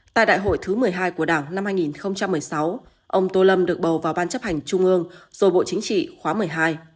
tại đại hội thứ một mươi hai của đảng năm hai nghìn một mươi sáu ông tô lâm được bầu vào ban chấp hành trung ương rồi bộ chính trị khóa một mươi hai